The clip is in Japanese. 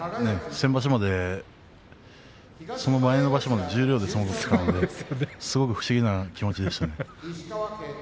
その前の場所まで十両で相撲を取っていたのですごく不思議な感じでしたね。